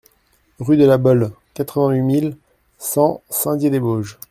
Rue de la Bolle, quatre-vingt-huit mille cent Saint-Dié-des-Vosges